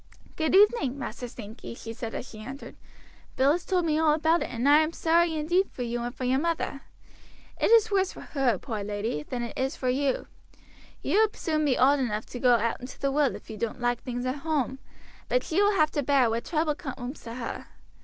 "Good evening! Master Sankey," she said as she entered. "Bill has told me all about it, and I am sorry indeed for you and for your mother. It is worse for her, poor lady, than for you. You will soon be old enough to go out into the world if you don't like things at home; but she will have to bear what trouble comes to her.